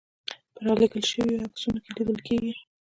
په رالېږل شویو عکسونو کې لیدل کېږي.